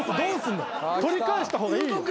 取り返した方がいいよ。